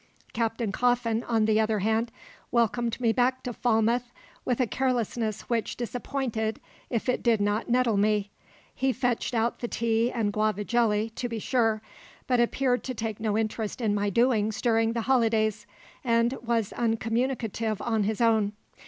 Captain Coffin, on the other hand, welcomed me back to Falmouth with a carelessness which disappointed if it did not nettle me. He fetched out the tea and guava jelly, to be sure, but appeared to take no interest in my doings during the holidays, and was uncommunicative on his own.